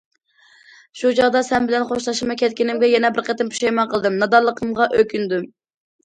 شۇ چاغدا سەن بىلەن خوشلاشماي كەتكىنىمگە يەنە بىر قېتىم پۇشايمان قىلدىم، نادانلىقىمغا ئۆكۈندۈم.